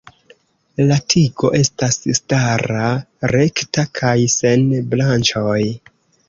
La tigo estas stara, rekta kaj sen branĉoj.